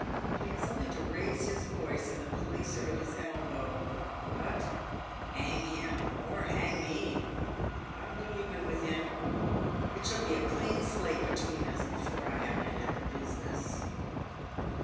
He has only to raise his voice, and the police are at his elbow. But, hang him, or hang me, I'll be even with him. It shall be a clean slate between us before I have ended the business."